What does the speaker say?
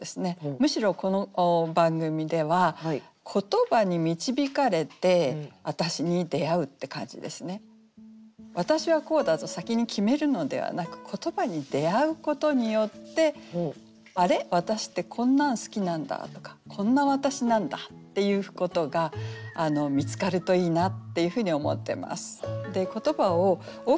むしろこの番組では「私はこうだぞ」先に決めるのではなく言葉に出会うことによって「あれ？私ってこんなん好きなんだ」とか「こんな私なんだ」っていうことが見つかるといいなっていうふうに思ってます。